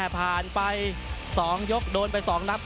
ผ่านไป๒ยกโดนไป๒นัด